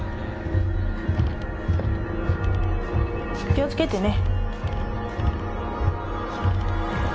気をつけてね。